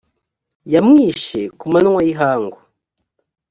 yamwishe ku manywa y ihangu.